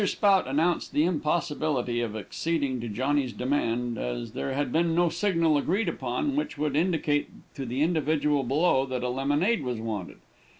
Spout announced the impossibility of acceding to Johnny's demand, as there had been no signal agreed upon which should indicate to the individual below that a lemonade was wanted.